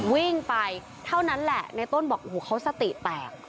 วิ่งไปเท่านั้นแหละในต้นบอกโอ้โหเขาสติแตก